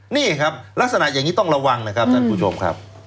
นี่ครับลักษณะอย่างนี้ต้องระวังนะครับท่านผู้ชมครับ